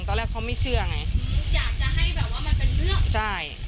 ตอนแรกเขาไม่เชื่อไง